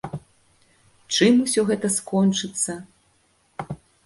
Чым усё гэта скончыцца?